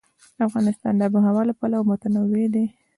افغانستان د آب وهوا له پلوه متنوع دی.